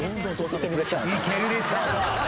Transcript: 「いけるでしょう」と。